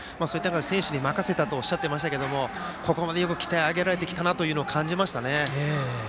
選手に任せていたとおっしゃっていましたがここまでよく鍛え上げられたと思います。